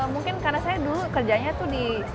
mungkin karena saya dulu kerjanya tuh di